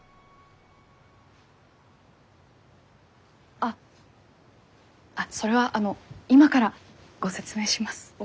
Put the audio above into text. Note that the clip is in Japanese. あっあっそれはあの今からご説明します。